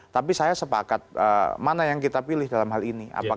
tapi saya sepakat mana yang kita pilih dalam hal ini